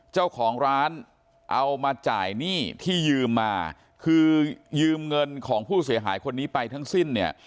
เจ้าของร้านเอามาจ่ายหนี้ที่ยืมมาคือยืมเงินของผู้เสียหายคนนี้ไปทั้งสิ้นเนี่ย